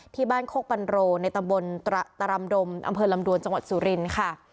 ที่บ้านโคกปันโรในตำบลตรำดมอำเภอลำดวนจังหวัดสุรินทร์ค่ะ